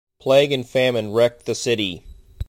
Plague and famine recked the city.